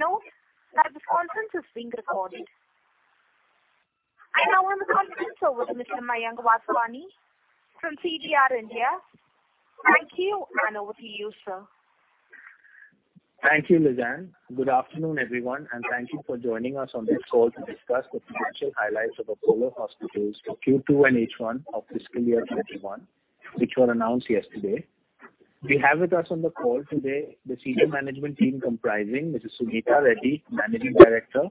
Please note that this conference is being recorded. I now hand the conference over to Mr. Mayank Vaswani from CDR India. Thank you, and over to you, sir. Thank you, Lizanne. Good afternoon, everyone. Thank you for joining us on this call to discuss the financial highlights of Apollo Hospitals for Q2 and H1 of fiscal year 2021, which were announced yesterday. We have with us on the call today the senior management team comprising Mrs. Suneeta Reddy, Managing Director;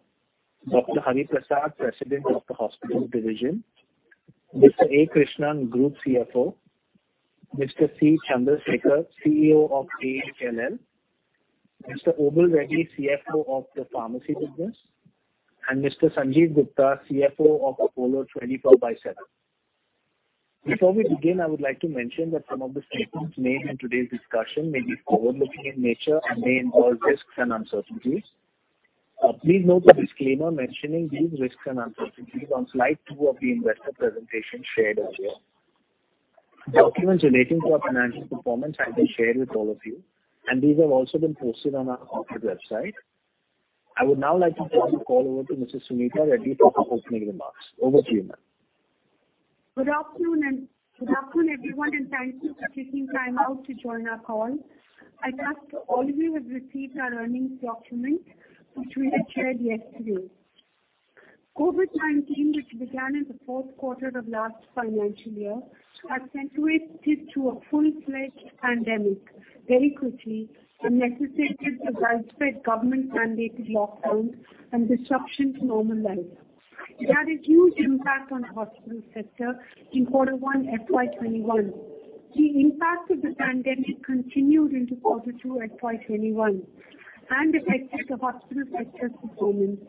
Dr. Hari Prasad, President of the Hospitals Division; Mr. A. Krishnan, Group CFO; Mr. C. Chandra Sekhar, CEO of AHLL; Mr. Obul Reddy, CFO of the Pharmacy Business, and Mr. Sanjiv Gupta, CFO of Apollo 24|7. Before we begin, I would like to mention that some of the statements made in today's discussion may be forward-looking in nature and may involve risks and uncertainties. Please note the disclaimer mentioning these risks and uncertainties on slide two of the investor presentation shared earlier. Documents relating to our financial performance have been shared with all of you, and these have also been posted on our corporate website. I would now like to hand the call over to Mrs. Suneeta Reddy for her opening remarks. Over to you, ma'am. Good afternoon, everyone, and thank you for taking time out to join our call. I trust all of you have received our earnings document, which we had shared yesterday. COVID-19, which began in the fourth quarter of last financial year, accentuated to a full-fledged pandemic very quickly and necessitated a widespread government-mandated lockdown and disruption to normal life. It had a huge impact on the hospital sector in quarter one FY 2021. The impact of the pandemic continued into quarter two FY 2021 and affected the hospital sector's performance.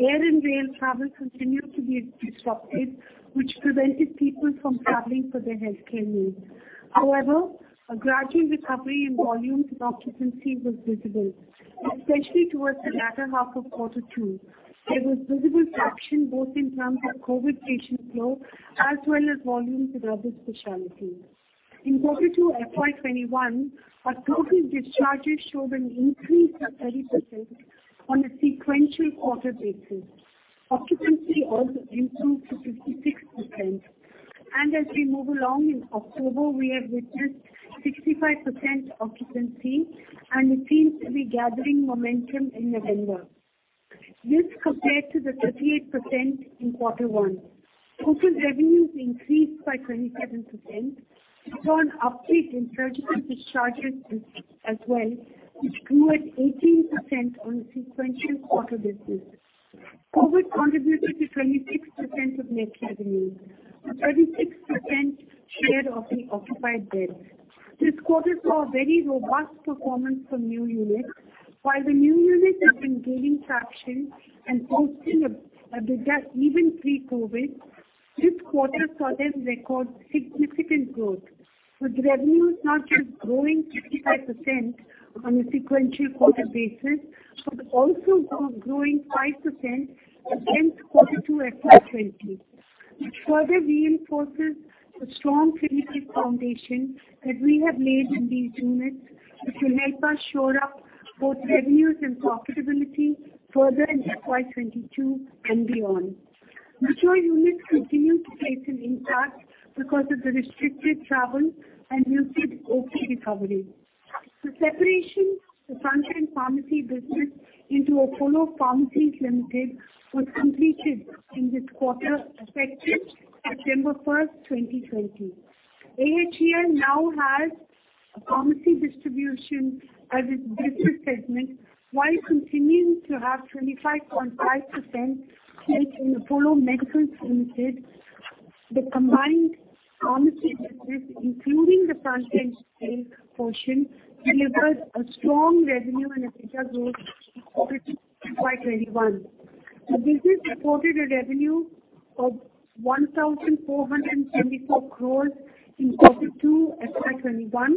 Air and rail travel continued to be disrupted, which prevented people from traveling for their healthcare needs. However, a gradual recovery in volumes and occupancy was visible, especially towards the latter half of quarter two. There was visible traction both in terms of COVID patient flow as well as volumes with other specialties. In quarter two FY 2021, our total discharges showed an increase of 30% on a sequential quarter basis. Occupancy also improved to 56%. As we move along in October, we have witnessed 65% occupancy, and it seems to be gathering momentum in November. This compared to the 38% in quarter one. Total revenues increased by 27%, driven by an uptick in surgical discharges as well, which grew at 18% on a sequential quarter basis. COVID contributed to 26% of net revenues, with 36% share of the occupied beds. This quarter saw a very robust performance from new units. While the new units have been gaining traction and posting EBITDA even pre-COVID, this quarter saw them record significant growth, with revenues not just growing 55% on a sequential quarter basis, but also growing 5% against Q2 FY 2020, which further reinforces the strong clinical foundation that we have laid in these units, which will help us shore up both revenues and profitability further in FY 2022 and beyond. Mature units continue to face an impact because of the restricted travel and muted OP recovery. The separation of the front-end pharmacy business into Apollo Pharmacies Limited was completed in this quarter, effective September 1st, 2020. AHEL now has pharmacy distribution as its business segment while continuing to have 25.5% stake in Apollo Medicals Limited. The combined pharmacy business, including the Sunshine sale portion, delivers a strong revenue and EBITDA growth in Q2 FY 2021. The business reported a revenue of 1,474 crores in Q2 FY 2021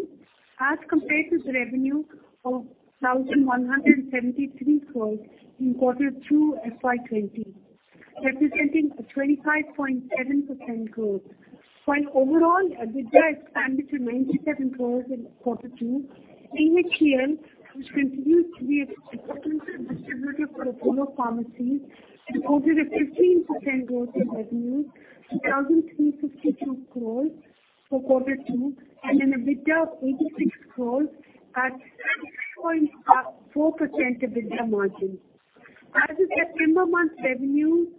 as compared to the revenue of 1,173 crores in Q2 FY 2020, representing a 25.7% growth. While overall EBITDA expanded to 97 crores in Q2, AHEL, which continues to be an exclusive distributor for Apollo Pharmacies, reported a 15% growth in revenues to INR 1,352 crores for Q2 and an EBITDA of INR 86 crores at 6.4% EBITDA margin. The September month revenues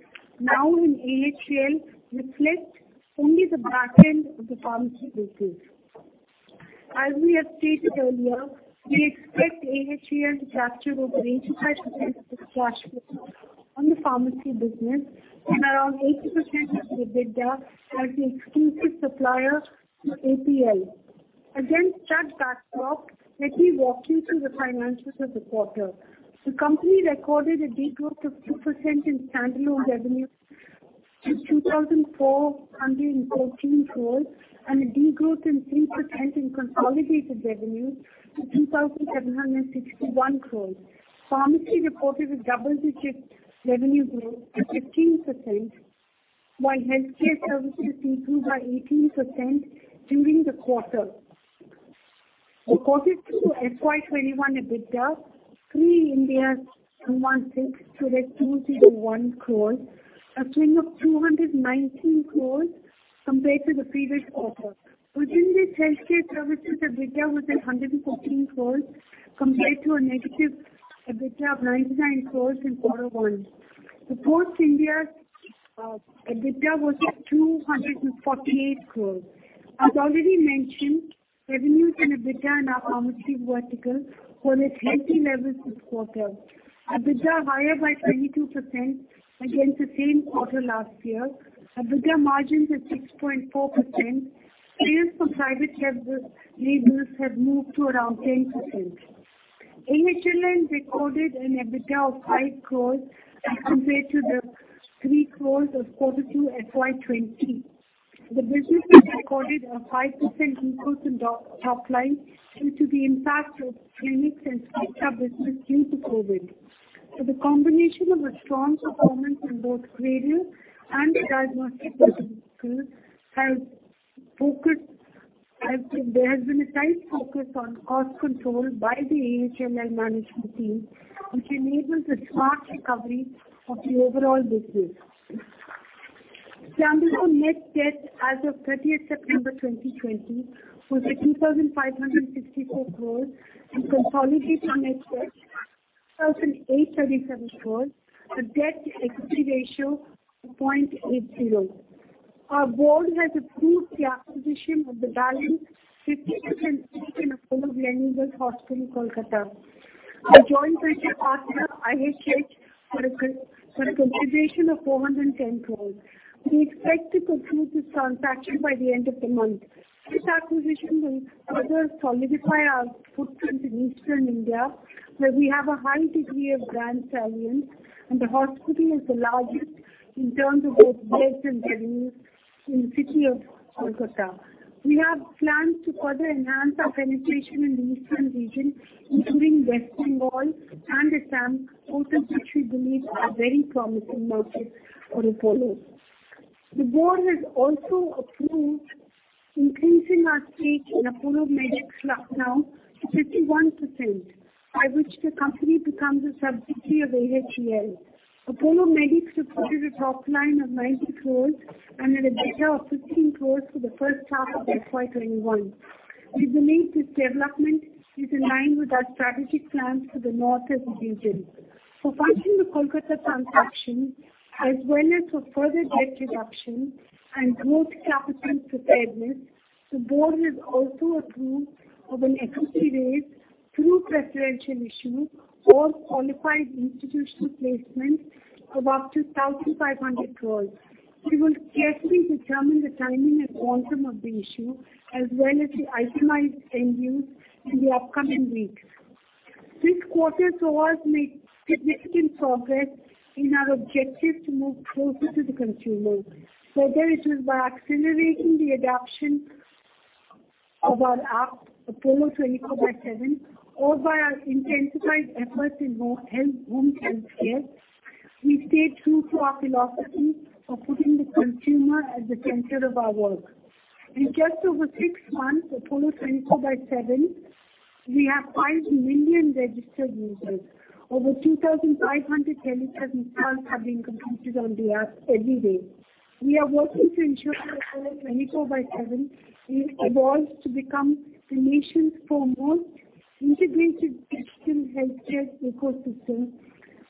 now in AHEL reflect only the back end of the pharmacy business. We have stated earlier, we expect AHEL to capture over 85% of the cash flows from the pharmacy business and around 80% of the EBITDA as the exclusive supplier to APL. Against that backdrop, let me walk you through the financials of the quarter. The company recorded a degrowth of 2% in standalone revenues to INR 2,414 crore and a degrowth in 3% in consolidated revenues to 2,761 crore. Pharmacy reported a double-digit revenue growth at 15%, while healthcare services improved by 18% during the quarter. The Q2 FY2021 EBITDA pre-Ind AS 116 stood to INR 201 crore, a swing of 219 crore compared to the previous quarter. Within this, healthcare services EBITDA was at 114 crore compared to a negative EBITDA of 99 crore in Q1. The post Ind AS 116 EBITDA was at 248 crore. As already mentioned, revenues and EBITDA in our ambulatory vertical were at healthy levels this quarter. EBITDA higher by 22% against the same quarter last year. EBITDA margins at 6.4%. Sales from private labels have moved to around 10%. AHLL recorded an EBITDA of 5 crore as compared to the 3 crore of Q2 FY2020. The business has recorded a 5% increase in top line due to the impact of clinics and spectra business due to COVID but the combination of a strong performance in both Cradle and Diagnostics verticals, as well as focus on cost control by the AHLL management team, which enables a smart recovery of the overall business. Standalone net debt as of September 30th 2020 was at 2,554 crores and consolidated net debt 2,837 crores. The debt-equity ratio 0.80x. Our Board has approved the acquisition of the balance 50% stake in Apollo Gleneagles Hospital in Kolkata. A joint venture partner, IHH, for a consideration of 410 crores. We expect to conclude this transaction by the end of the month. This acquisition will further solidify our footprint in Eastern India, where we have a high degree of brand salience, and the hospital is the largest in terms of bed space and deliveries in the City of Kolkata. We have plans to further enhance our penetration in the Eastern region, including West Bengal and Assam, both of which we believe are very promising markets for Apollo. The Board has also approved increasing our stake in Apollo Medics Lucknow to 51%, by which the company becomes a subsidiary of AHLL. Apollo Medics reported a top line of 90 crores and an EBITDA of 15 crores for the first half of FY 2021. We believe this development is in line with our strategic plans for the northeastern region. For funding the Kolkata transaction, as well as for further debt reduction and growth capital preparedness, the Board has also approved of an equity raise through preferential issue or qualified institutional placement of up to 1,500 crores. We will carefully determine the timing and quantum of the issue, as well as the itemized end use in the upcoming weeks. This quarter saw us make significant progress in our objective to move closer to the consumer, whether it was by accelerating the adoption of our app, Apollo 24|7, or by our intensified efforts in home healthcare. We stayed true to our philosophy of putting the consumer at the center of our work. In just over six months, Apollo 24|7, we have 5 million registered users. Over 2,500 tele-consults are being completed on the app every day. We are working to ensure that Apollo 24|7 is evolved to become the nation's foremost integrated digital healthcare ecosystem,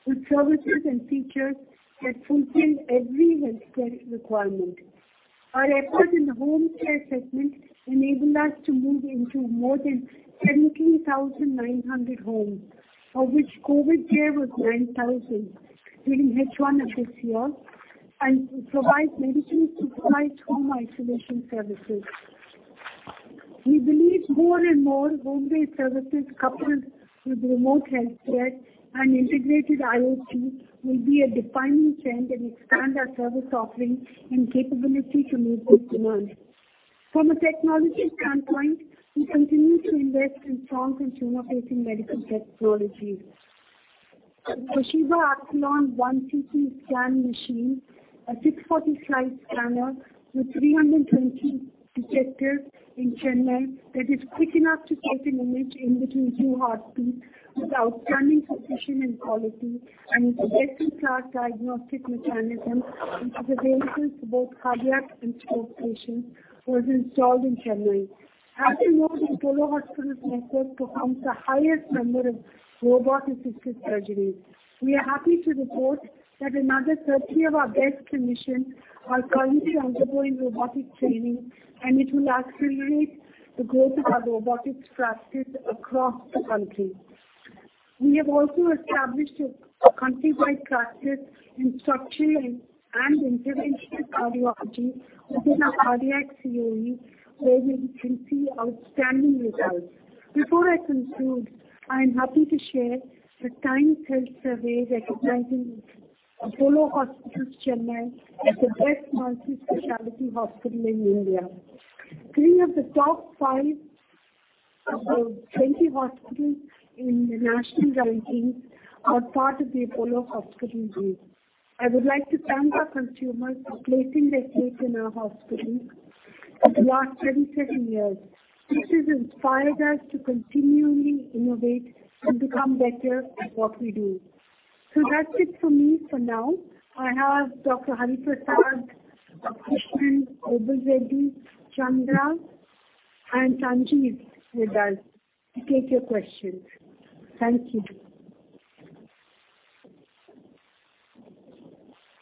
with services and features that fulfill every healthcare requirement. Our efforts in home care segment enabled us to move into more than 17,900 homes, of which COVID care was 9,000 during H1 of this year, and to provide medicines to provide home isolation services. We believe more and more home-based services coupled with remote healthcare and integrated IoT will be a defining trend and expand our service offering and capability to meet this demand. From a technology standpoint, we continue to invest in strong consumer-facing medical technologies. The Toshiba Aquilion ONE CT scan machine, a 640-slice scanner with 320 detectors in Chennai that is quick enough to take an image in between two heartbeats with outstanding precision and quality, and with best-in-class diagnostic mechanism, which is available for both cardiac and stroke patients, was installed in Chennai. As you know, the Apollo Hospitals network performs the highest number of robot-assisted surgeries. We are happy to report that another 30 of our best clinicians are currently undergoing robotic training, and it will accelerate the growth of our robotics practice across the country. We have also established a countrywide practice in structural and interventional cardiology within our cardiac COE, where we can see outstanding results. Before I conclude, I am happy to share the Times Health Survey recognizing Apollo Hospitals Chennai as the Best Multi-specialty Hospital in India. Three of the top five of the 20 hospitals in the national rankings are part of the Apollo Hospitals group. I would like to thank our consumers for placing their faith in our hospitals over the last 37 years. This has inspired us to continually innovate and become better at what we do. That's it for me for now. I have Dr. Hari Prasad, Krishnan, Obul Reddy, Chandra, and Sanjiv with us to take your questions. Thank you.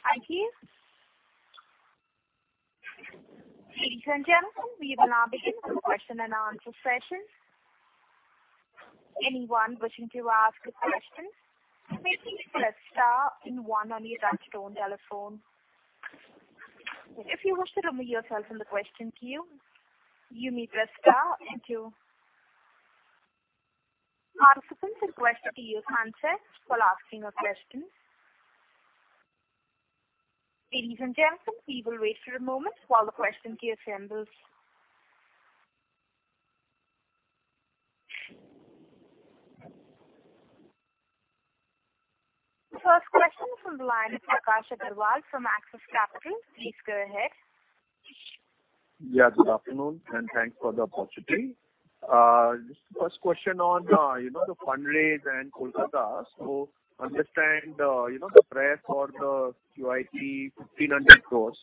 Thank you. Ladies and gentlemen. First question from the line is Prakash Agarwal from Axis Capital. Please go ahead. Yeah. Good afternoon. Thanks for the opportunity. Just the first question on the fundraise and Kolkata. Understand the preference for the QIP, 1,500 crores,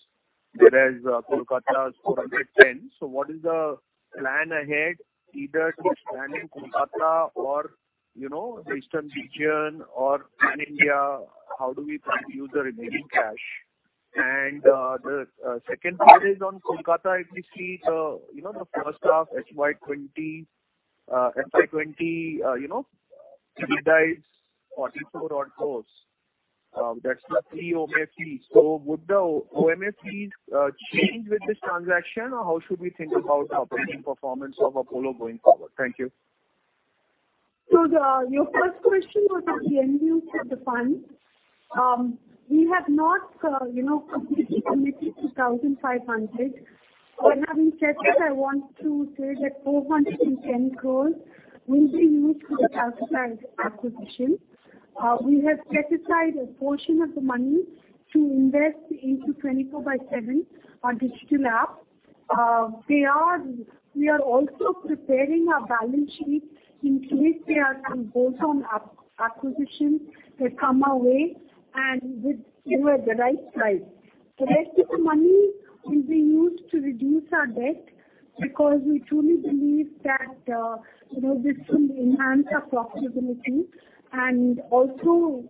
whereas Kolkata is 410 crores. What is the plan ahead, either to expand in Kolkata or the Eastern region or pan-India, how do we plan to use the remaining cash? The second part is on Kolkata, if we see the H1 FY 2020, EBITDA is INR 44 odd crores. That's the pre-OMA fees. Would the OMA fees change with this transaction, or how should we think about operating performance of Apollo going forward? Thank you. Your first question was on the end use of the funds. We have not completely committed to 1,500 crore. Having said that, I want to say that 410 crore will be used for the Kolkata acquisition. We have set aside a portion of the money to invest into Apollo 24|7, our digital app. We are also preparing our balance sheet in case there are some bolt-on acquisitions that come our way and with, you know, at the right price. The rest of the money will be used to reduce our debt because we truly believe that this will enhance our profitability. Also,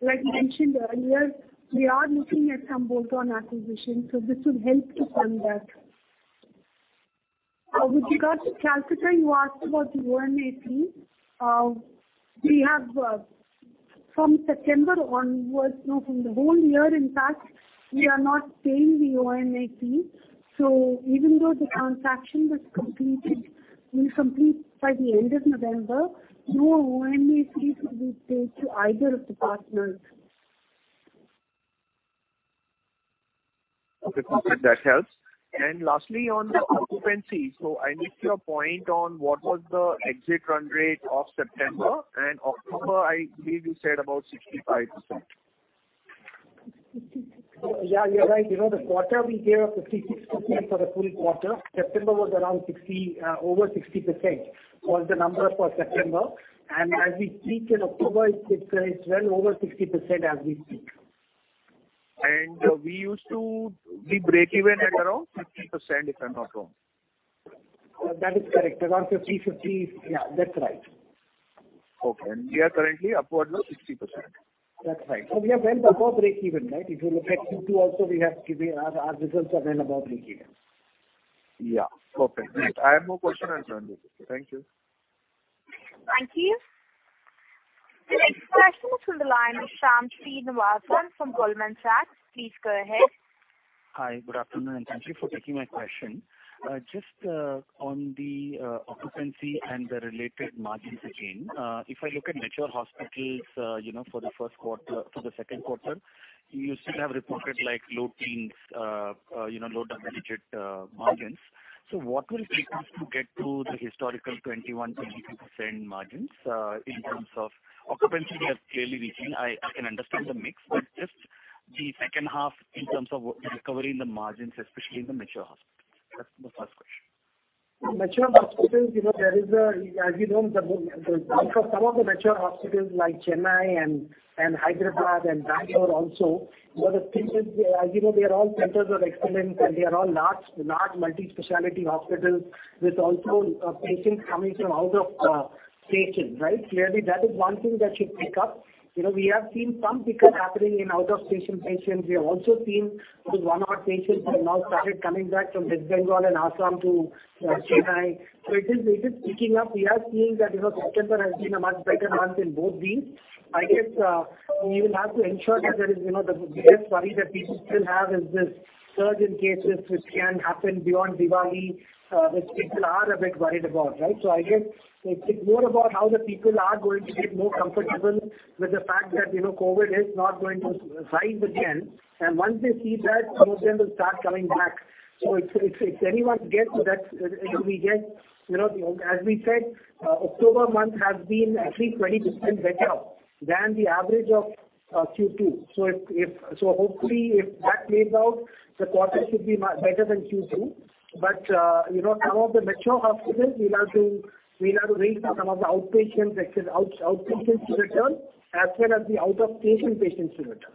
like I mentioned earlier, we are looking at some bolt-on acquisitions, so this will help to fund that. With regards to Kolkata, you asked about the OMA fees. From September onwards, no, from the whole year in fact, we are not paying the OMA fees. Even though the transaction was completed, will complete by the end of November, no OMA fees will be paid to either of the partners. Okay. That helps. Lastly, on the occupancy. I missed your point on what was the exit run rate of September and October. I believe you said about 65%. 66%. Yeah, you're right. The quarter we gave a 56% for the full quarter. September was over 60%, was the number for September. As we speak in October, it's well over 60% as we speak. We used to be breakeven at around 50%, if I'm not wrong. That is correct. Around 50%. Yeah, that's right. Okay. We are currently upwards of 60%. That's right. We are well above breakeven, right? If you look at Q2 also, our results are well above breakeven. Yeah. Perfect. I have no further questions. Thank you. Thank you. The next question from the line is Shyam Srinivasan from Goldman Sachs. Please go ahead. Hi. Good afternoon, thank you for taking my question. Just on the occupancy and the related margins again. If I look at mature hospitals for the second quarter, you still have reported low teens, low double-digit margins. What will it take us to get to the historical 21%, 22% margins in terms of occupancy we are clearly reaching. I can understand the mix, just the second half in terms of recovery in the margins, especially in the mature hospitals. That's the first question. Mature hospitals, as you know, for some of the mature hospitals like Chennai and Hyderabad and Bangalore also, the thing is they are all centers of excellence, and they are all large multi-specialty hospitals with also patients coming from out of station, right? Clearly, that is one thing that should pick up. We have seen some pickup happening in out-of-station patients. We have also seen these one odd patients have now started coming back from West Bengal and Assam to Chennai. It is picking up. We are seeing that September has been a much better month in both these. I guess we will have to ensure that the biggest worry that people still have is this surge in cases which can happen beyond Diwali, which people are a bit worried about, right? I guess it's more about how the people are going to get more comfortable with the fact that COVID is not going to rise again. Once they see that, some of them will start coming back. If anyone gets to that, As we said, October month has been at least 20% better than the average of Q2. Hopefully, if that plays out, the quarter should be much better than Q2. Some of the mature hospitals, we'll have to wait for some of the outpatients to return as well as the out-of-station patients to return.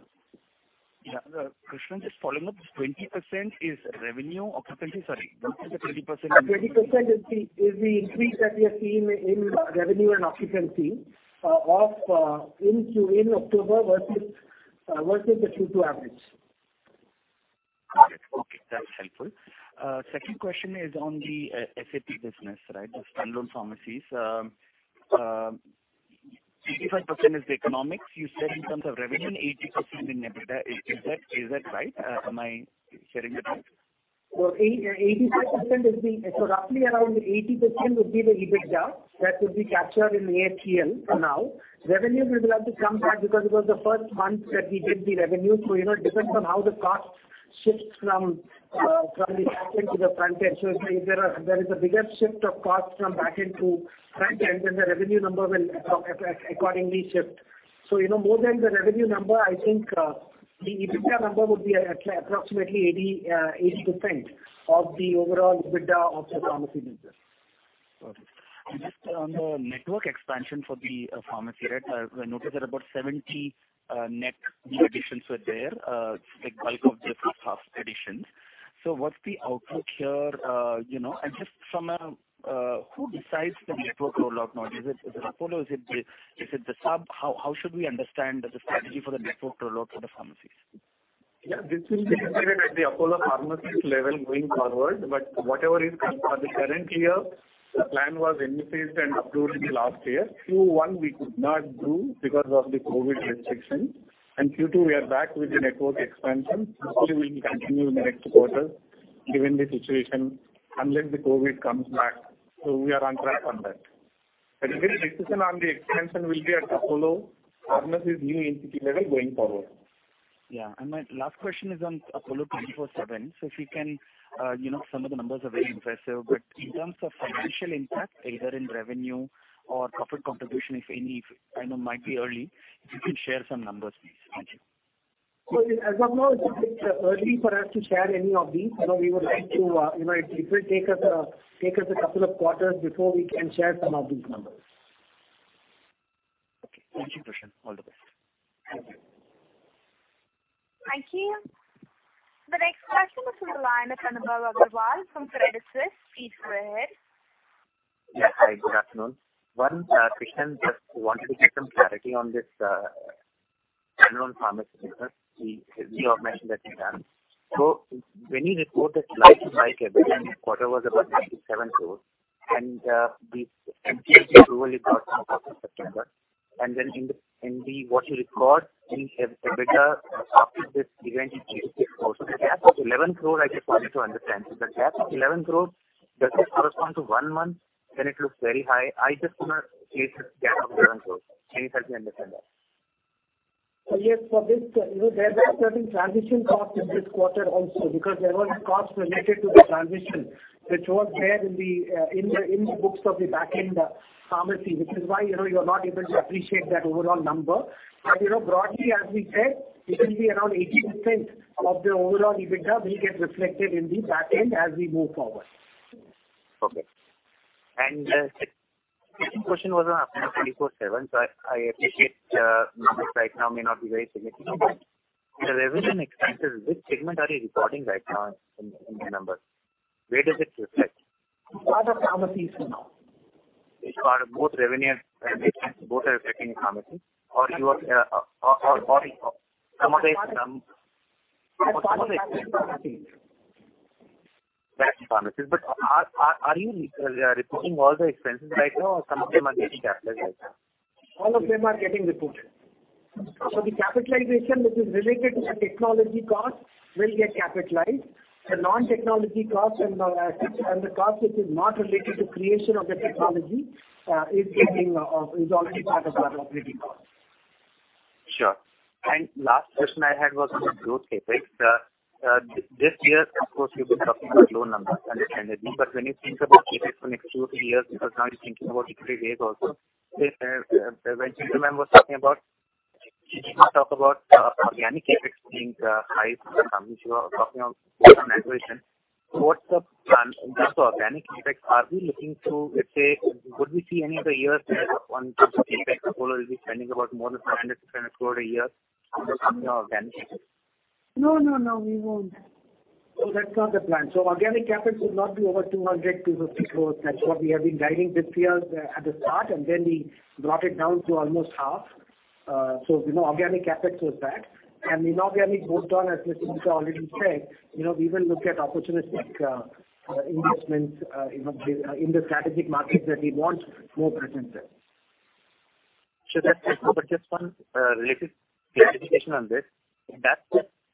Yeah. Krishnan, just following up, this 20% is revenue occupancy, sorry. What is the 20%? 20% is the increase that we are seeing in revenue and occupancy in October versus the Q2 average. Okay. That's helpful. Second question is on the SAP business, right? The standalone pharmacies. 85% is the economics you said in terms of revenue, 80% in EBITDA. Is that right? Am I hearing it right? Roughly around 80% would be the EBITDA that would be captured in AHEL for now. Revenue, we will have to come back because it was the first month that we did the revenue. It depends on how the cost shifts from the back end to the front end. If there is a bigger shift of cost from back end to front end, then the revenue number will accordingly shift. More than the revenue number, I think the EBITDA number would be approximately 80% of the overall EBITDA of the pharmacy business. Okay. Just on the network expansion for the pharmacy, right? I noticed that about 70 net new additions were there, it's like bulk of the first half additions. What's the outlook here? Just from who decides the network rollout now? Is it Apollo? How should we understand the strategy for the network rollout for the pharmacies? Yeah, this will be decided at the Apollo Pharmacy level going forward, but whatever is for the current year, the plan was initiated and approved in the last year. Q1 we could not do because of the COVID restriction, and Q2 we are back with the network expansion. Hopefully we will continue in the next quarter given the situation, unless the COVID comes back. We are on track on that. The decision on the expansion will be at Apollo Pharmacy new entity level going forward. Yeah. My last question is on Apollo 24|7. Some of the numbers are very impressive, but in terms of financial impact, either in revenue or profit contribution, if any. I know it might be early. If you can share some numbers, please. Thank you. As of now, it's a bit early for us to share any of these. It will take us a couple of quarters before we can share some of these numbers. Okay. Thank you, Krishnan. All the best. Thank you. Thank you. The next question is from the line of Anubhav Agarwal from Credit Suisse. Please go ahead. Yeah. Hi, good afternoon. Krishnan, just wanted to get some clarity on this standalone pharmacy business, the organization that you've done. When you report that like to like EBITDA in this quarter was about 97 crores and the NCLT approval you got from September 1st, then in the, what you record in EBITDA after this event is INR 86 crores. The gap of INR 11 crore I just wanted to understand. The gap of INR 11 crore, does it correspond to one month, then it looks very high. I just want to see this gap of INR 11 crores. Can you help me understand that? Yes. There were certain transition costs in this quarter also because there were costs related to the transition, which was there in the books of the back-end pharmacy, which is why you're not able to appreciate that overall number. Broadly, as we said, it will be around 80% of the overall EBITDA will get reflected in the back end as we move forward. Okay. Second question was on Apollo 24|7. I appreciate numbers right now may not be very significant, but the revenue expenses, which segment are you recording right now in the numbers? Where does it reflect? Other pharmacies for now. Which are both revenue and expense, both are affecting pharmacies? That's pharmacies. Are you reporting all the expenses right now or some of them are getting capitalized? All of them are getting reported. The capitalization which is related to the technology cost will get capitalized. The non-technology cost and the cost which is not related to creation of the technology is already part of our operating cost. Sure. Last question I had was on the growth CapEx. This year, of course, you've been talking about low numbers, understandably. When you think about CapEx for next two to three years, because now you're thinking about equity days also. When Suneeta ma'am was talking about, she did talk about organic CapEx being high for the pharmacies. You are talking of growth and acquisition. What's the plan in terms of organic CapEx? Are we looking to, let's say, would we see any of the years where on terms of CapEx, Apollo will be spending about more than INR 200 crore to INR 250 crore a year on organic CapEx? No, we won't. That's not the plan. Organic CapEx would not be over 200 crore-250 crores. That's what we have been guiding this year at the start, and then we brought it down to almost half. Organic CapEx was that. In organic bolt on, as Ms. Suneeta already said, we will look at opportunistic investments in the strategic markets that we want more presence in. Sure. Just one related clarification on this.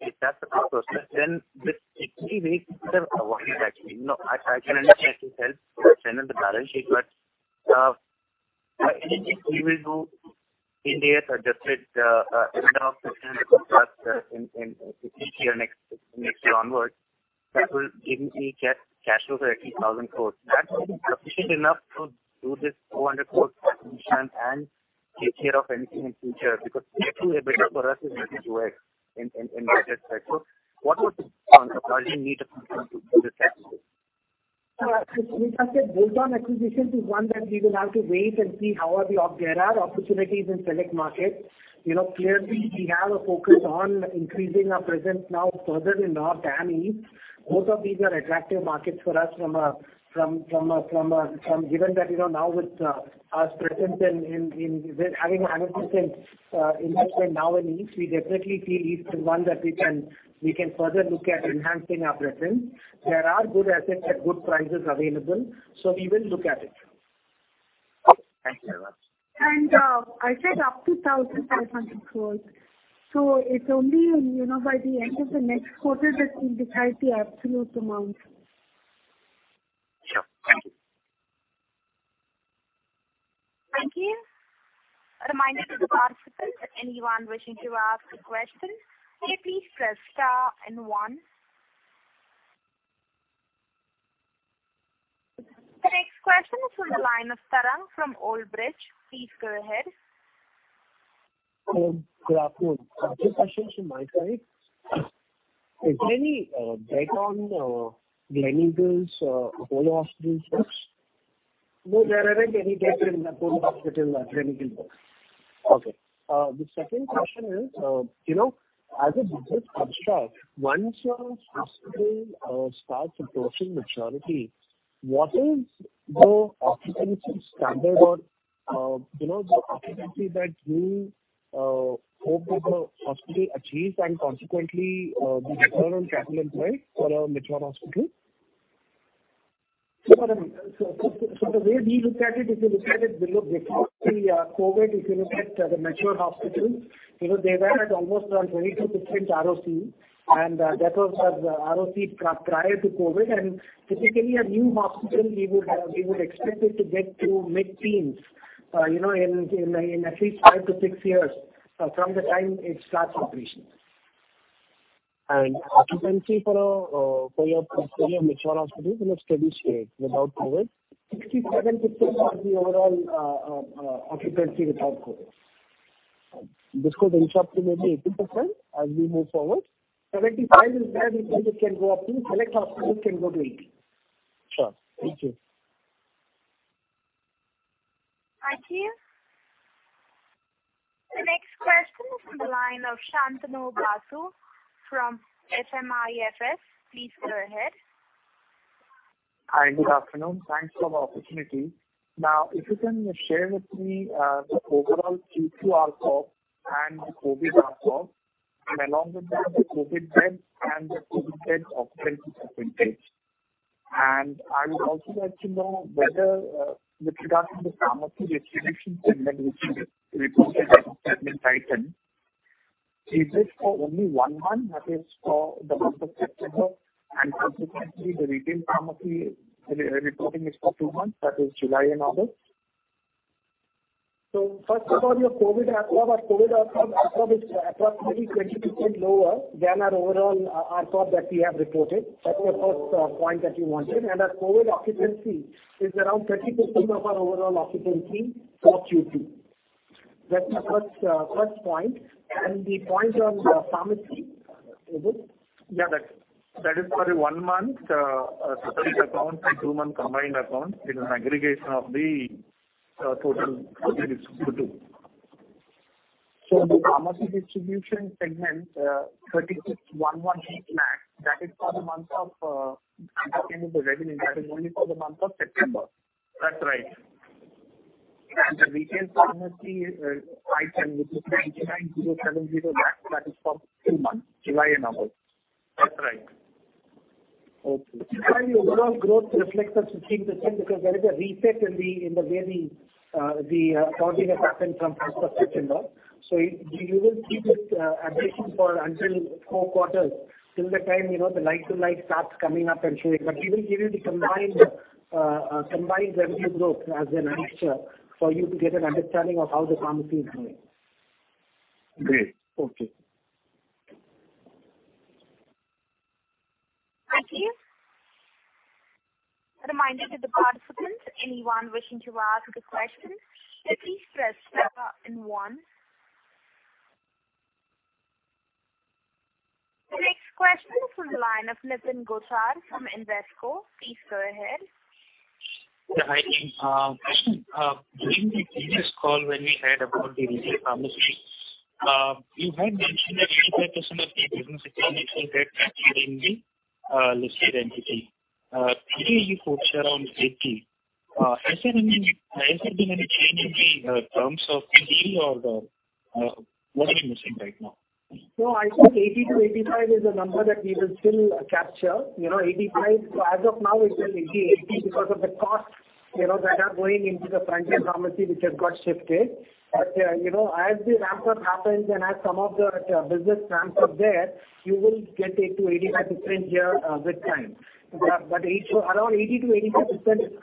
If that's the thought process, then with equity raise, what is actually? I can understand it itself will strengthen the balance sheet. Anything we will do in the Ind-AS EBITDA of INR 1,500 crore in each year from the next year onwards that will give a cash flow of atleast 1,000 crore. That will be sufficient enough to do this 400 crores acquisition and take care of anything in future because debt to EBITDA for us is less than 2x in that respect? So what was the urgent need to do this capital raise? As I said, bolt-on acquisitions is one that we will have to wait and see. There are opportunities in select markets. Clearly, we have a focus on increasing our presence now further in north and east. Both of these are attractive markets for us, given that now with us present in having a 100% investment now in east, we definitely feel east is one that we can further look at enhancing our presence. There are good assets at good prices available, so we will look at it. Thank you very much. I said up to 1,500 crores. It's only by the end of the next quarter that we'll decide the absolute amount. Sure. Thank you. A reminder to the participants that anyone wishing to ask a question, please press star and one. The next question is from the line of Tarang from Old Bridge. Please go ahead. Good afternoon. Two questions from my side. Is there any debt on Gleneagles or Apollo Hospitals books? No, there isn't any debt in Apollo Hospital or Gleneagles books. Okay. The second question is, as a business construct, once your hospital starts approaching maturity, what is the occupancy standard or the occupancy that you hope that the hospital achieves and consequently, the return on capital employed for a mature hospital? The way we look at it, if you look at it below, before the COVID, if you look at the mature hospitals, they were at almost around 22% ROCE, and that was the ROCE prior to COVID. Typically, a new hospital, we would expect it to get to mid-teens in at least five to six years from the time it starts operations. Occupancy for your mature hospitals in a steady state without COVID? 67% was the overall occupancy without COVID. This could inch up to maybe 80% as we move forward? 75% is where it can go up to. Select hospitals can go to 80%. Sure. Thank you. Thank you. The next question is from the line of Shantanu Basu from SMIFS. Please go ahead. Hi, good afternoon. Thanks for the opportunity. If you can share with me the overall Q2 ARPOB and the COVID ARPOB, and along with that, the COVID debt and the COVID bed occupancy percentage. I would also like to know whether, with regards to the pharmacy distribution segment, which you reported as segment item, is this for only one month, that is for the month of September, and consequently, the retail pharmacy reporting is for two months, that is July and August? First of all, your COVID ARPOB. Our COVID ARPOB is approximately 20% lower than our overall ARPOB that we have reported. That's the first point that you wanted. Our COVID occupancy is around 30% of our overall occupancy for Q2. That's the first point. The point on pharmacy, Obul. Yeah, that is for one month, so separate accounts and two-month combined accounts is an aggregation of the total Q2. The pharmacy distribution segment, 36,118 lakhs, I'm talking of the revenue, that is only for the month of September. That's right. The retail pharmacy item, which is 99,070 lakhs, that is for two months, July and August. That's right. Okay. This is why your overall growth reflects as 15%, because there is a reset in the way the accounting is happened from September 1st. You will see this Great. Okay. Thank you. A reminder to the participants, anyone wishing to ask a question, please press star and one. The next question is from the line of Nitin Gosar from Invesco. Please go ahead. Yeah, hi team. During the previous call, when we had about the retail pharmacy, you had mentioned that 85% of the business is coming from that is in the listed entity. Today you quoted around 80%. Has there been any change in the terms of the deal or what are you missing right now? I think 80%-85% is a number that we will still capture. As of now, it is will be 80% because of the costs that are going into the franchise pharmacy which has got shifted. As the ramp-up happens and as some of the business ramps up there, you will get 80% here with time. Around 80%-85%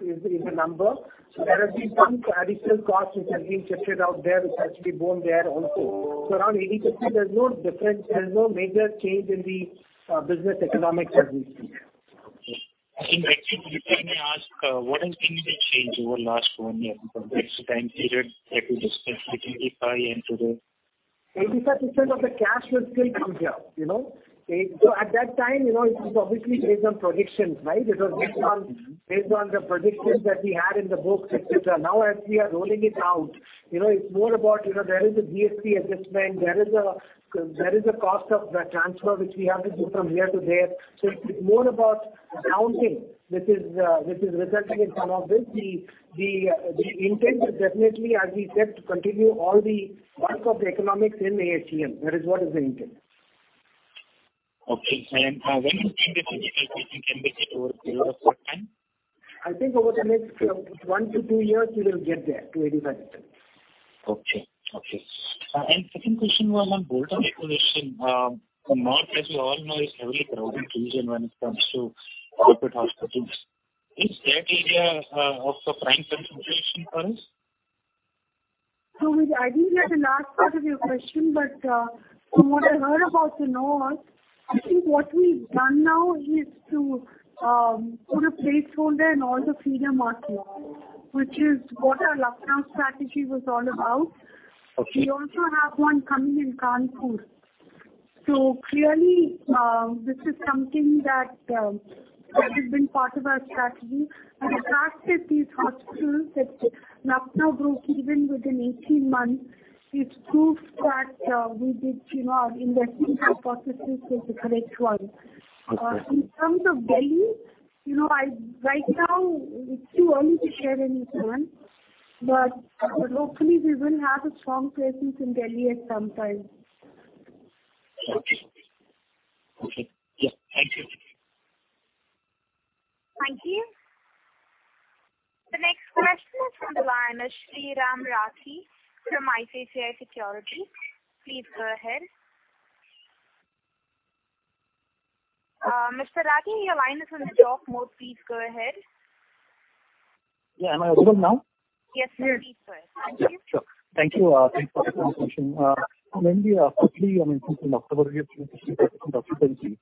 is the number. There has been some additional cost which has been shifted out there, which has to be borne there also. Around 80%, there's no major change in the business economics as we speak. Okay. In that case, if I may ask, what has been the change over the last one year from this time period that we discussed at 85% and today? 85% of the cash will still come here. At that time, it was obviously based on predictions. It was based on the predictions that we had in the books, et cetera. Now, as we are rolling it out, it's more about there is a GST adjustment, there is a cost of transfer, which we have to do from here to there. It's more about rounding, which is resulting in some of this. The intent is definitely, as we said, to continue all the work of the economics in AHEL. That is what is the intent. Okay. When you think the 85% can be hit, over what time? I think over the next one to two years, we will get there, to 85%. Okay. Second question was on bolt-on acquisition. The North, as you all know, is heavily crowded region when it comes to corporate hospitals. Is that area also prime concentration for us? I didn't get the last part of your question, but from what I heard about the north, I think what we've done now is to put a placeholder in all the feeder markets, which is what our Lucknow strategy was all about. Okay. We also have one coming in Kanpur. Clearly, this is something that has been part of our strategy. The fact that these hospitals at Lucknow broke even within 18 months, it proves that our investment hypothesis was the correct one. Okay. In terms of Delhi, right now it's too early to share any plan. Hopefully we will have a strong presence in Delhi at some time. Okay. Yes. Thank you. Thank you. The next question is on the line is Sriraam Rathi from ICICI Securities. Please go ahead. Mr. Rathi, your line is on talk mode. Please go ahead. Yeah. Am I audible now? Yes, sir. Please go ahead. Thank you. Yeah, sure. Thank you. Thanks for the presentation. Maybe quickly, I mean, since October, we have seen 65% occupancy.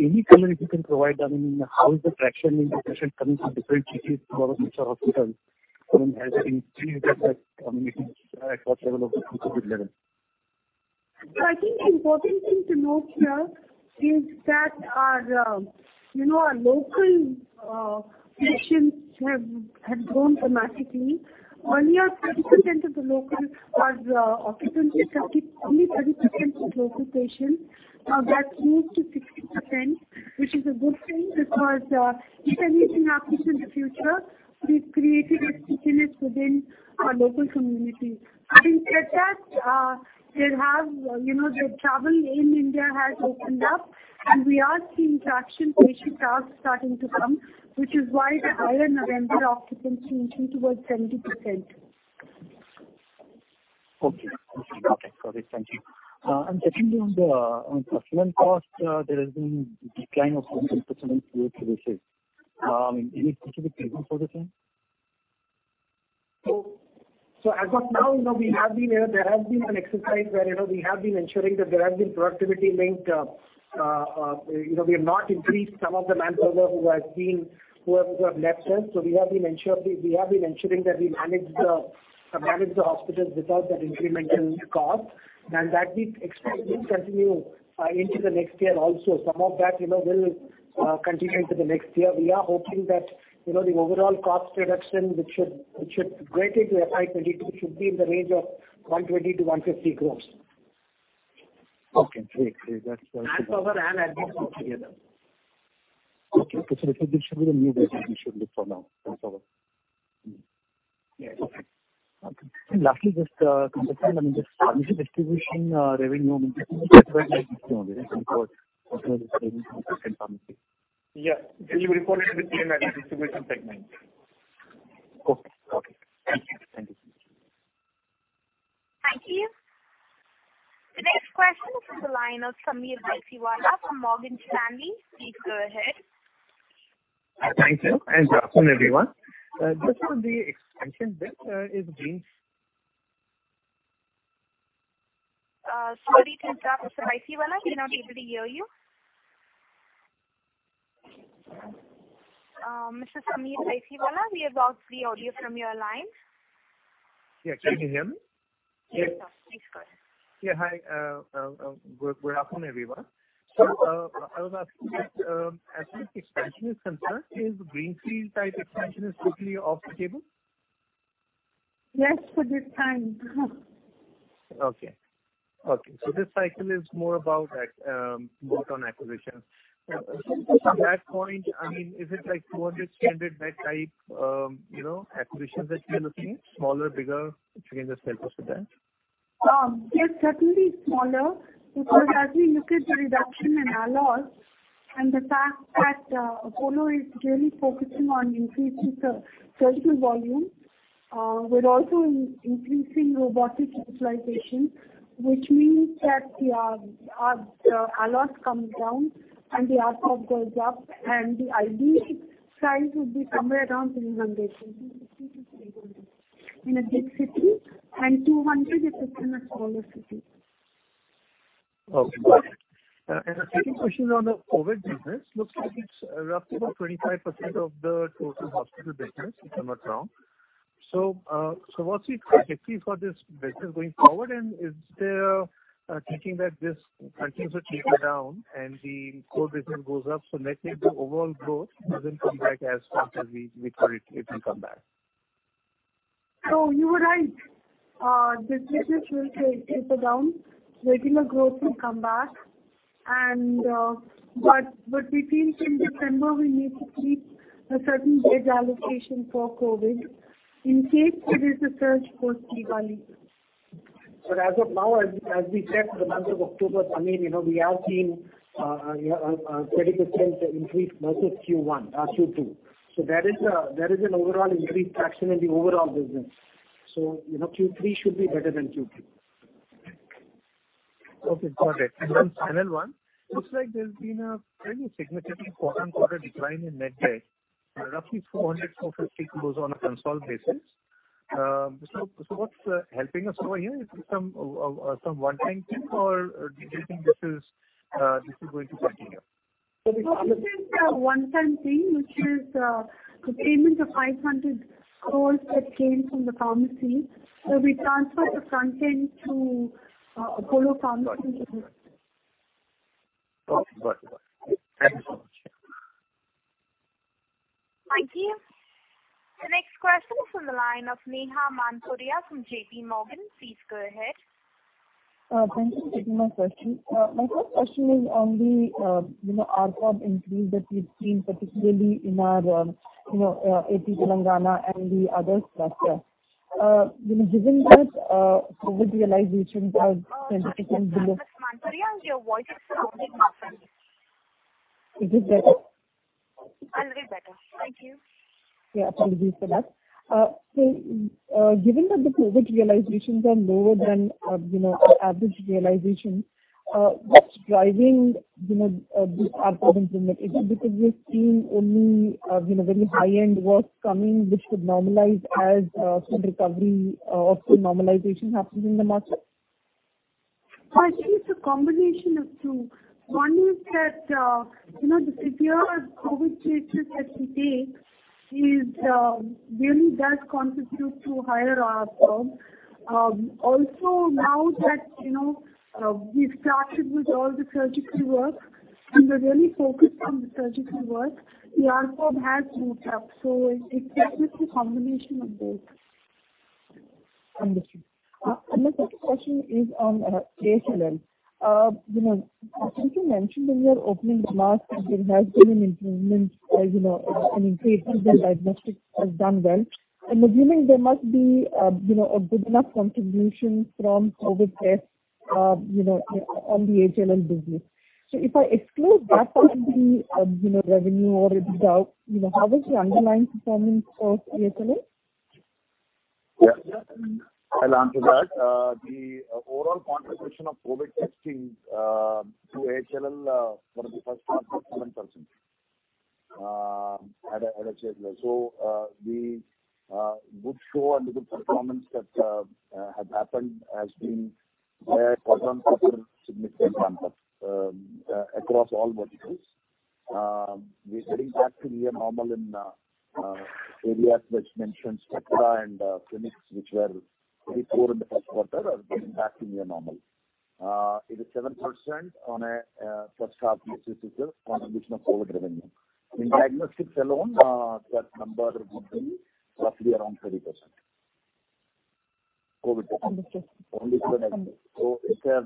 Any color you can provide, I mean, how is the traction in the patient coming from different cities to Apollo Spectra hospitals and has it increased and it is at the level of the pre-COVID level? I think the important thing to note here is that our local patients have grown dramatically. One year, 30% of the local was occupancy, 30% was local patients. That's moved to 60%, which is a good thing, because if anything happens in the future, we've created this business within our local community. Having said that, the travel in India has opened up, and we are seeing traction. Patient flows starting to come, which is why the higher November occupancy is moving towards 70%. Okay. Got it. Thank you. Secondly, on the personal cost, there has been decline of 7%-8% year to this date. Any specific reason for the same? As of now, there has been an exercise where we have been ensuring that there has been productivity linked. We have not increased some of the manpower who have left us. We have been ensuring that we manage the hospitals without that incremental cost, and that we expect will continue into the next year also. Some of that will continue into the next year. We are hoping that the overall cost reduction, which should greatly apply 2022, should be in the range of 120 crore-150 crore. Okay, great. That's helpful. Manpower and admin put together. Okay. This should be the new baseline we should look for now going forward. Yes. Okay. Lastly, just to confirm, this pharmacy distribution revenue, I mean, pharmacy. Yeah. We report it with the distribution segment. Okay. Thank you. Thank you. The next question is on the line of Sameer Baisiwala from Morgan Stanley. Please go ahead. Thank you, good afternoon, everyone. Sorry to interrupt, Mr. Baisiwala. We're not able to hear you. Mr. Sameer Baisiwala, we have lost the audio from your line. Yeah. Can you hear me? Yes. Please go ahead. Yeah, hi. Good afternoon, everyone. Hello. I was asking that as the expansion is concerned, is greenfield type expansion is quickly off the table? Yes, for this time. Okay. This cycle is more about bolt-on acquisition. On that point, I mean, is it like 200, 300 bed type acquisitions that you're looking? Smaller, bigger, if you can just help us with that? Yes, certainly smaller. As we look at the reduction in ALOS, and the fact that Apollo is really focusing on increasing surgical volume. We're also increasing robotic utilization, which means that our ALOS comes down and the ARPOB goes up, and the ideal size would be somewhere around 250 to 300 in a big city, and 200 if it's in a smaller city. Okay. The second question on the COVID business. Looks like it's roughly about 25% of the total hospital business, if I'm not wrong. What's the objective for this business going forward? Is there a thinking that this continues to taper down and the core business goes up, let's say the overall growth doesn't come back as fast as we thought it will come back. You are right. This business will taper down. Regular growth will come back. We think in December we need to keep a certain bed allocation for COVID in case there is a surge post-Diwali. As of now, as we said, the month of October, we have seen a 20% increase versus Q2. There is an overall increase traction in the overall business. Q3 should be better than Q2. Okay, got it. Final one. Looks like there's been a fairly significant quarter-on-quarter decline in net debt`, roughly 400 crore-450 crore on a consolidated basis. What's helping us over here? Is this some one-time thing, or do you think this is going to continue? This is a one-time thing, which is the payment of 500 crores that came from the pharmacy. We transferred the front end to Apollo Pharmacy business. Okay, got it. Thanks so much. Thank you. The next question is from the line of Neha Manpuria from JPMorgan. Please go ahead. Thank you. Thank you for taking my question. My first question is on the ARPOB increase that we've seen, particularly in our AP Telangana and the other cluster. Given that COVID realizations are 20% below- Neha Manpuria, your voice is broken. Is it better? A little better. Thank you. Yeah, apologies for that. Given that the COVID realizations are lower than our average realization, what's driving this ARPOB improvement? Is it because we've seen only very high-end works coming, which would normalize as full recovery or full normalization happens in the market? I think it's a combination of two. One is that the severe COVID cases that we take really does contribute to higher ARPOB. Now that we've started with all the surgical work, and we're really focused on the surgical work, the ARPOB has moved up. It's basically a combination of both. Understood. My second question is on AHLL. I think you mentioned in your opening remarks that there has been an improvement as integrated diagnostics has done well. I am assuming there must be a good enough contribution from COVID tests on the AHLL business. If I exclude that from the revenue or the top, how is the underlying performance of AHLL? Yeah. I'll answer that. The overall contribution of COVID testing to AHLL for the first quarter is 7% at AHLL. The good show and the good performance that has happened has been there quarter-on-quarter significant ramp-up across all verticals. We are getting back to near normal in areas which mention spectra and clinics, which were very poor in the first quarter, are getting back to near normal. It is 7% on a first half basis is the contribution of COVID revenue. In diagnostics alone, that number would be roughly around 30%. COVID. Understood. Only COVID. It has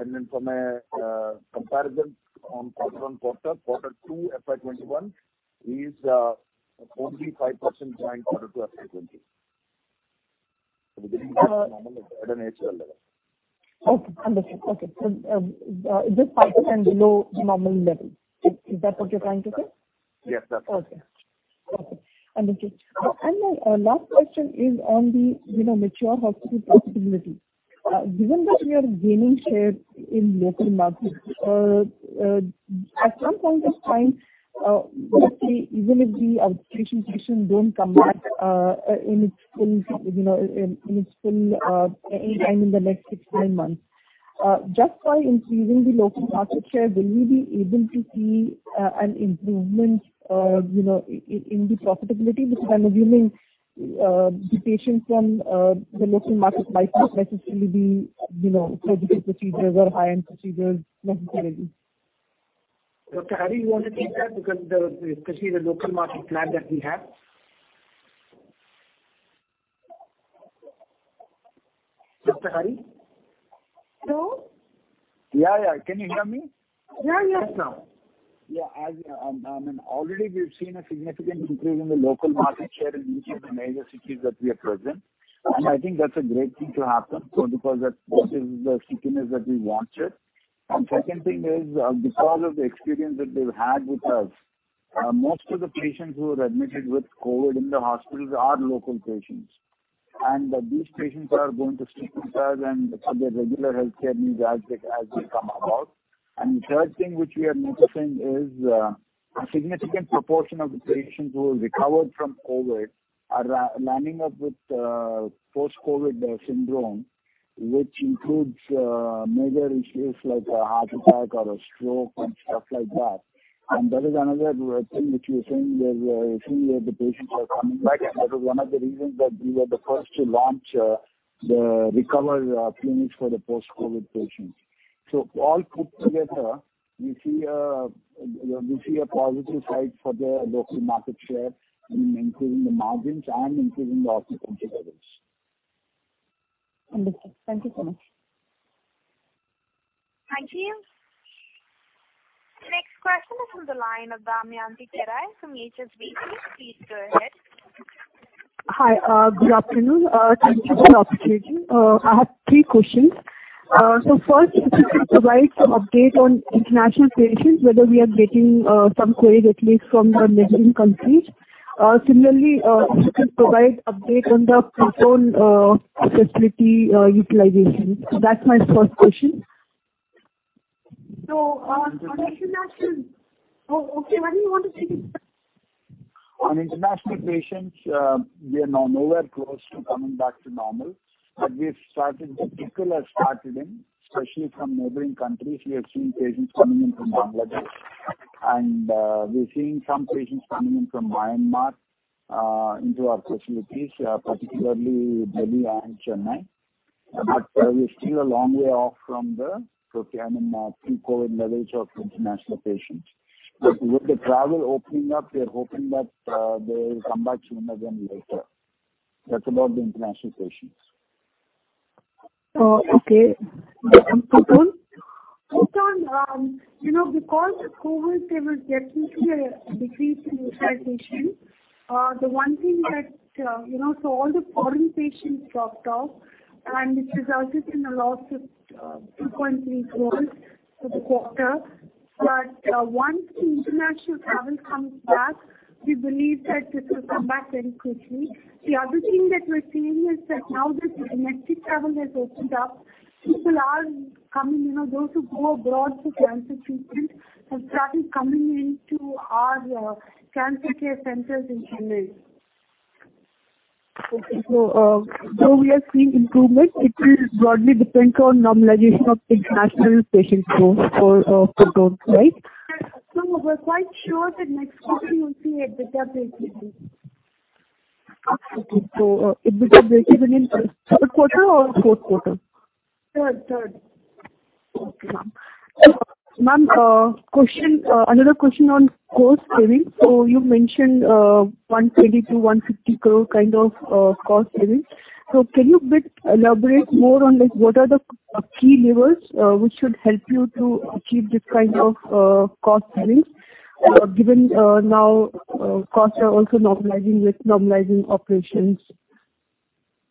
an improvement from a comparison on quarter-on-quarter. Quarter two FY 2021 is only 5% behind quarter two FY 2020. We're getting back to normal at AHLL level. Okay, understood. This 5% below normal level, is that what you're trying to say? Yes, that's right Okay. Understood. My last question is on the mature hospital profitability. Given that we are gaining share in local markets, at some point of time, let's say even if the outpatient patients don't come back any time in the next six to nine months, just by increasing the local market share, will we be able to see an improvement in the profitability? Because I'm assuming the patients from the local market might not necessarily be surgical procedures or high-end procedures necessarily. Dr. Hari, you want to take that because she's a local market lead that we have. Dr. Hari? Hello. Yeah. Can you hear me? Yeah. Yes, now. Already we've seen a significant increase in the local market share in each of the major cities that we are present. I think that's a great thing to happen because that is the stickiness that we wanted. Second thing is, because of the experience that they've had with us, most of the patients who were admitted with COVID in the hospitals are local patients. These patients are going to stick with us for their regular healthcare needs as they come about. The third thing which we are noticing is, a significant proportion of the patients who have recovered from COVID are landing up with post-COVID syndrome, which includes major issues like a heart attack or a stroke and stuff like that. That is another thing which we are seeing, we are seeing that the patients are coming back, and that is one of the reasons that we were the first to launch the recovery clinics for the post-COVID patients. All put together, we see a positive side for the local market share in increasing the margins and increasing the occupancy levels. Understood. Thank you so much. Thank you. The next question is on the line of Damayanti Kerai from HSBC. Please go ahead. Hi. Good afternoon. Thank you for the opportunity. I have three questions. First, if you could provide some update on international patients, whether we are getting some queries, at least from the neighboring countries. Similarly, if you could provide update on the Proton facility utilization. That's my first question. Hari why don't you want to take it? On international patients, we are nowhere close to coming back to normal. People have started in, especially from neighboring countries. We are seeing patients coming in from Bangladesh. We're seeing some patients coming in from Myanmar into our facilities, particularly Delhi and Chennai. We're still a long way off from the pre-COVID levels of international patients. With the travel opening up, we are hoping that they will come back to India again later. That's about the international patients. Okay. Proton? Proton, because of COVID, there was definitely a decrease in utilization. All the foreign patients dropped off, and it resulted in a loss of 2.3 crores for the quarter. Once the international travel comes back, we believe that this will come back very quickly. The other thing that we're seeing is that now that domestic travel has opened up, people are coming. Those who go abroad for cancer treatment have started coming into our cancer care centers in Chennai. Okay. We are seeing improvement. It will broadly depend on normalization of international patient flow for Proton, right? We're quite sure that next quarter we will see EBITDA breakeven. Okay. It will be a break-even in third quarter or fourth quarter? Third. Okay, ma'am. Ma'am, another question on cost saving. You mentioned 120 crore-150 crore kind of cost savings. Can you elaborate more on what are the key levers which would help you to achieve this kind of cost savings? Given now costs are also normalizing with normalizing operations.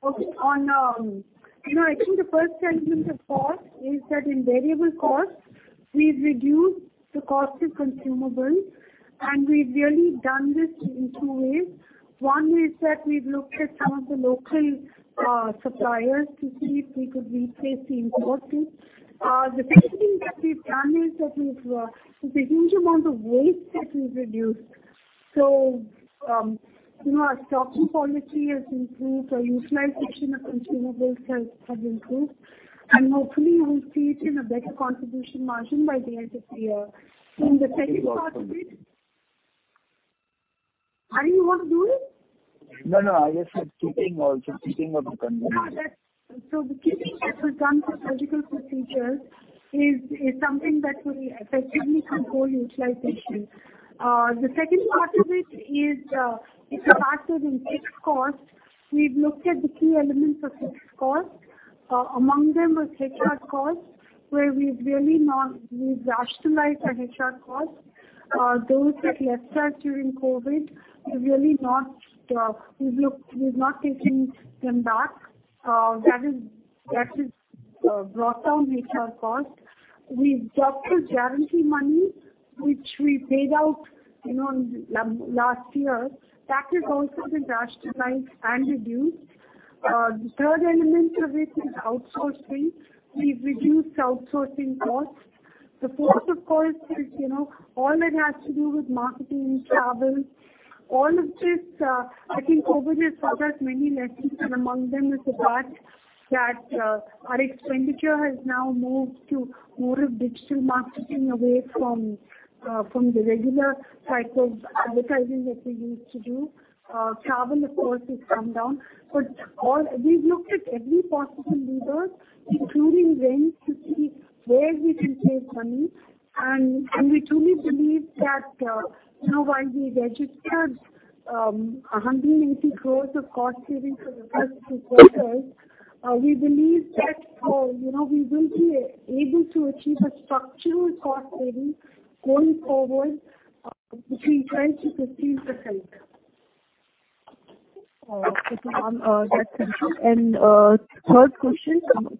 Okay. I think the first element of cost is that in variable costs, we've reduced the cost of consumables. We've really done this in two ways. One is that we've looked at some of the local suppliers to see if we could replace the imported. The second thing that we've done is that we've reduced the huge amount of waste. Our stocking policy has improved, our utilization of consumables has improved. Hopefully we'll see it in a better contribution margin by the end of the year. In the second part of it, Hari, you want to do it? No, I was just keeping up the conversation. The kitting that we've done for surgical procedures is something that will effectively control utilization. The second part of it is, if you ask us in fixed costs, we've looked at the key elements of fixed costs. Among them was HR costs, where we've really rationalized our HR costs. Those that left us during COVID, we've not taken them back. That has brought down HR costs. The doctor's guarantee money, which we paid out last year. That has also been rationalized and reduced. The third element of it is outsourcing. We've reduced outsourcing costs. The fourth, of course, is all that has to do with marketing, travel. All of this, I think COVID has taught us many lessons, and among them is the fact that our expenditure has now moved to more of digital marketing away from the regular type of advertising that we used to do. Travel, of course, has come down. We've looked at every possible lever, including rent, to see where we can save money. We truly believe that while we registered 180 crores of cost savings for the first two quarters, we believe that we will be able to achieve a structural cost saving going forward between 12%-15%. Okay, ma'am. Thank you.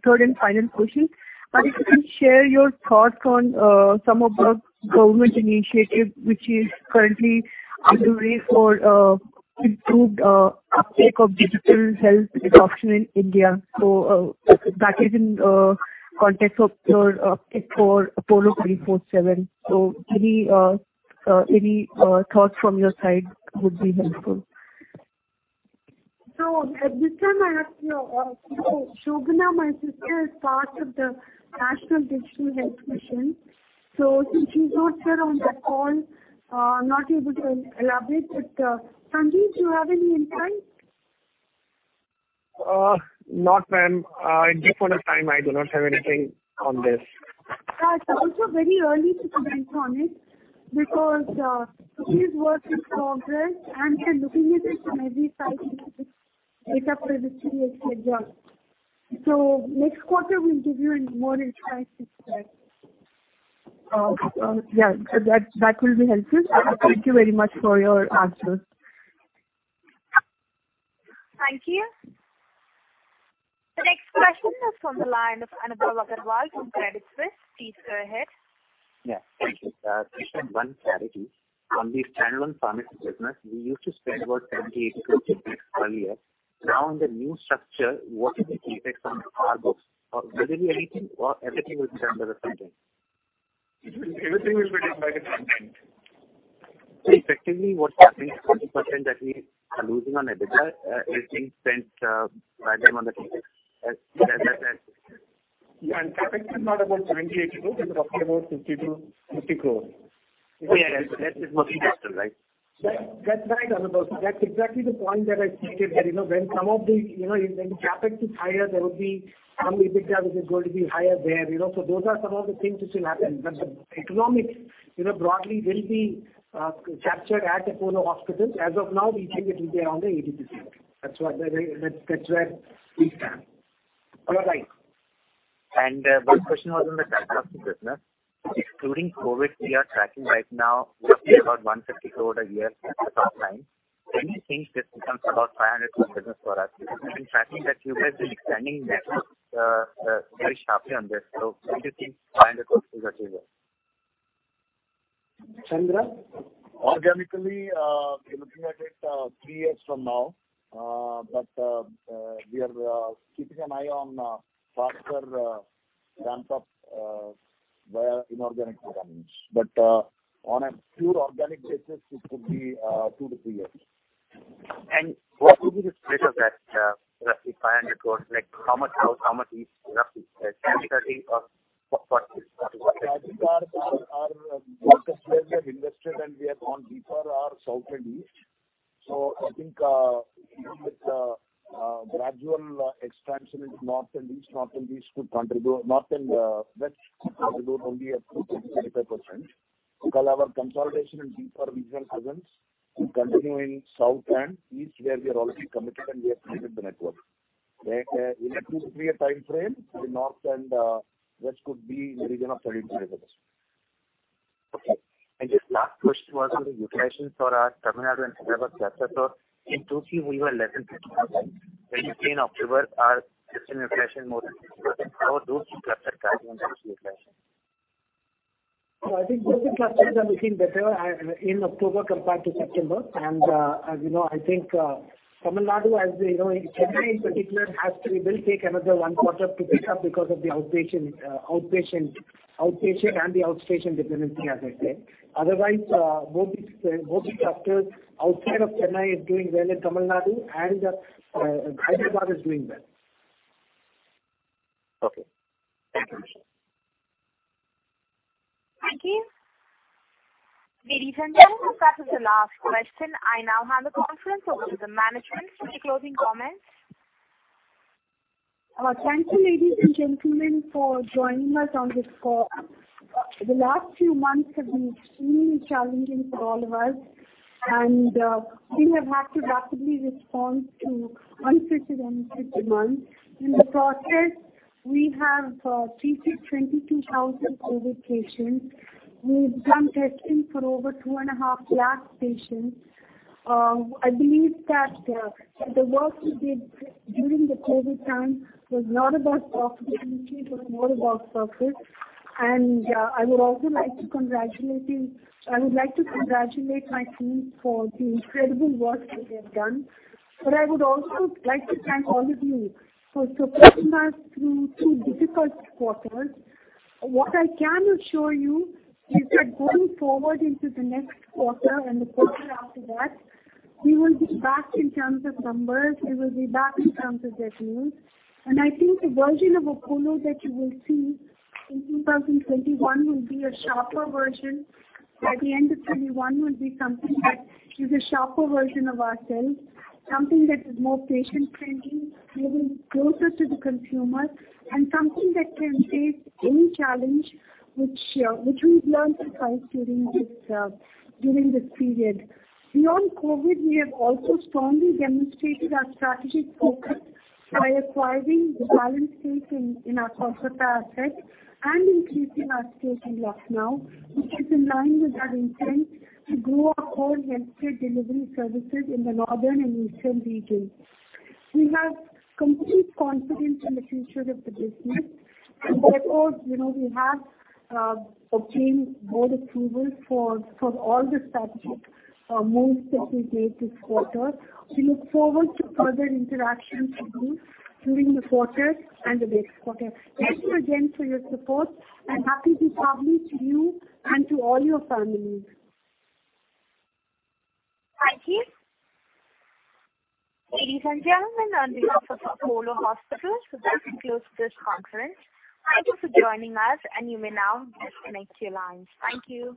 Third and final question. If you can share your thoughts on some of the government initiatives which are currently underway for improved uptake of digital health adoption in India. That is in context of your uptake for Apollo 24|7. Any thoughts from your side would be helpful. Shobana, my sister, is part of the National Digital Health Mission. Since she's not here on the call, I'm not able to elaborate. Sanjiv, do you have any insights? Not ma'am. At this point of time, I do not have anything on this. It's also very early to comment on it because it is work in progress, and we're looking at it from every side, data, regulatory, et cetera. Next quarter, we'll give you a more insights into that. Yeah. That will be helpful. Thank you very much for your answers. Thank you. The next question is from the line of Anubhav Agarwal from Credit Suisse. Please go ahead. Yeah. Thank you. Just one clarity. On the standalone pharmacy business, we used to spend about 70 crore-80 crore earlier. Now in the new structure, what is the effect on our books? Will there be anything or everything will be done by the front end? Everything will be done by the front end. Effectively what's happening is 20% that we are losing on EBITDA is being spent by them on the CapEx. Yeah. CapEx is not about 70 crore, INR 80 crore. We're talking about 50 crore. Yeah. That is mostly capital, right? That's right, Anubhav. That's exactly the point that I stated that when CapEx is higher, there will be some EBITDA which is going to be higher there. Those are some of the things which will happen. The economics broadly will be captured at Apollo Hospitals. As of now, we think it will be around 80%. That's where we stand. You are right. One question was on the diagnostic business. Excluding COVID, we are tracking right now roughly about 150 crore a year at the top line. When do you think this becomes about 500 crore business for us? We've been tracking that you guys are expanding networks very sharply on this. When do you think INR 500 crore is achievable? Chandra? Organically, we're looking at it three years from now. We are keeping an eye on faster ramp-up via inorganic programs. On a pure organic basis, it could be two to three years. What will be the split of that roughly INR 500 crores, like how much east roughly? I think our marketplace we have invested and we have gone deeper are South and East. I think even with gradual expansion into North and West could contribute only up to 30%-35%. While our consolidation in deeper regional presence will continue in South and East where we are already committed and we have created the network. In a two to three year timeframe, the North and West could be in the region of 30%-35%. Okay. Just last question was on the utilization for our Tamil Nadu and Hyderabad clusters. In Q2 we were less than 50%, right. When you say in October our system utilization more than 60%, how those two clusters are doing on those utilizations? I think both the clusters are looking better in October compared to September. I think Tamil Nadu, Chennai in particular, it will take another one quarter to pick up because of the outpatient and the outstation dependency, as I said. Otherwise, both the clusters outside of Chennai is doing well in Tamil Nadu and Hyderabad is doing well. Okay. Thank you. Thank you. Ladies and gentlemen, that was the last question. I now hand the conference over to the management for any closing comments. Thank you, ladies and gentlemen, for joining us on this call. The last few months have been extremely challenging for all of us, and we have had to rapidly respond to unprecedented demands. In the process, we have treated 22,000 COVID patients. We've done testing for over 2.5 lakh patients. I believe that the work we did during the COVID time was not about profitability, it was more about purpose. I would like to congratulate my team for the incredible work that they have done. I would also like to thank all of you for supporting us through two difficult quarters. What I can assure you is that going forward into the next quarter and the quarter after that, we will be back in terms of numbers, we will be back in terms of revenues. I think the version of Apollo that you will see in 2021 will be a sharper version. By the end of 2021 will be something that is a sharper version of ourselves, something that is more patient-centric, maybe closer to the consumer, and something that can face any challenge which we've learned to fight during this period. Beyond COVID, we have also strongly demonstrated our strategic focus by acquiring the balance stake in our Kolkata asset and increasing our stake in Lucknow, which is in line with our intent to grow our whole healthcare delivery services in the northern and eastern regions. We have complete confidence in the future of the business, and therefore, we have obtained board approval for all the strategic moves that we made this quarter. We look forward to further interactions with you during the quarter and the next quarter. Thank you again for your support. Happy Deepavali to you and to all your families. Thank you. Ladies and gentlemen, on behalf of Apollo Hospitals, we'd like to close this conference. Thank you for joining us, and you may now disconnect your lines. Thank you.